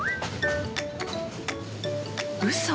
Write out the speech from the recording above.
うそ！